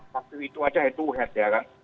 waktu itu aja itu head ya kak